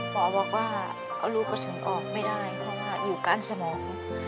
หมอบอกว่าลูกก็ส่งออกไม่ได้เพราะว่าอยู่กั้นสมอง